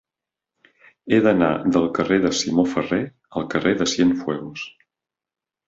He d'anar del carrer de Simó Ferrer al carrer de Cienfuegos.